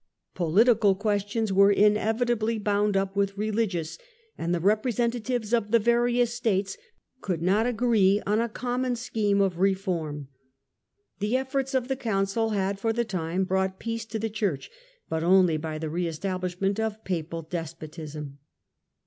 Pohtical questions were inevitably bound up with religious, and the representa tives of the various States could not agree on a common scheme of reform. The efforts of the Council had, for the time, brought peace to the Church, but only by the re establishment of Papal despotism.